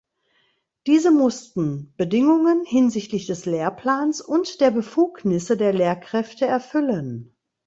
Diese mussten Bedingungen hinsichtlich des Lehrplans und der Befugnisse der Lehrkräfte erfüllen.